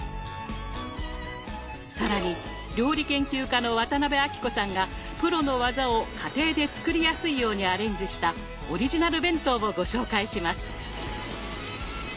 更に料理研究家の渡辺あきこさんがプロの技を家庭で作りやすいようにアレンジしたオリジナル弁当をご紹介します。